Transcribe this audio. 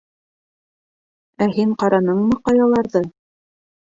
— Ә һин ҡараныңмы ҡаяларҙы?